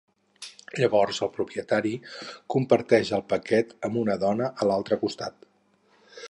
Llavors el propietari comparteix el paquet amb una dona a l'altre costat.